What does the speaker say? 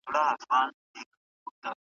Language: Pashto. زه په دې ملنګه ورځ خسرو سمه قباد سمه